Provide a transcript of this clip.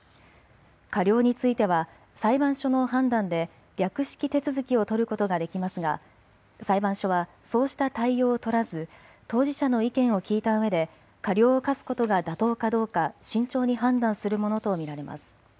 過料については裁判所の判断で略式手続を取ることができますが裁判所はそうした対応を取らず当事者の意見を聞いたうえで過料を科すことが妥当かどうか慎重に判断するものと見られます。